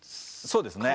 そうですね。